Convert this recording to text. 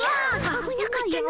あぶなかったの。